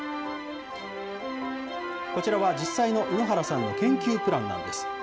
こちらは実際の猪原さんの研究プランなんです。